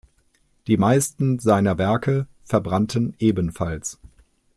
Die meisten seiner Werke verbrannten ebenfalls.